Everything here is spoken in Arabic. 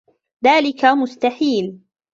ذلك مستحيل.